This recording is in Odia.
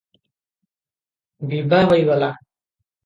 ବିଭା ହୋଇଗଲା।